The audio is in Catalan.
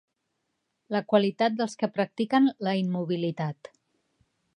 La qualitat dels que practiquen la immobilitat.